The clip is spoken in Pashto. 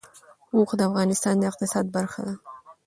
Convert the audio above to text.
اوښ د افغانستان د اقتصاد برخه ده.